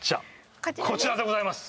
こちらでございます